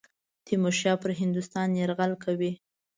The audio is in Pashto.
تیمورشاه پر هندوستان یرغل کوي.